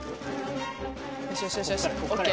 よしよしよしＯＫ。